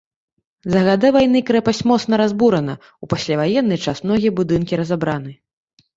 За гады вайны крэпасць моцна разбурана, у пасляваенны час многія будынкі разабраны.